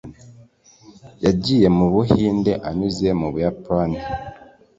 yagiye mu buhinde anyuze mu buyapani